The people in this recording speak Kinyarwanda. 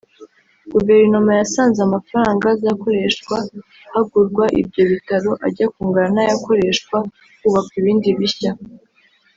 Guverinoma yasanze amafaranga azakoreshwa hagurwa ibyo bitaro ajya kungana n’ayakoreshwa hubakwa ibindi bishya